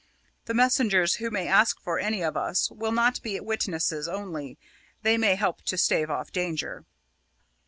The messengers who may ask for any of us will not be witnesses only, they may help to stave off danger."